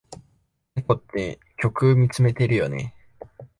猫って虚空みつめてるよね。